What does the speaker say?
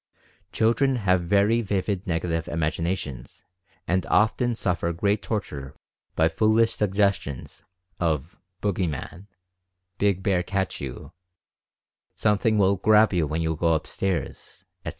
(Children have very vivid Negative Imaginations and often suffer great torture by foolish 142 Mental Fascination suggestions of "boogy man ;" "big bear catch you;" "something will grab you when you go upstairs," etc.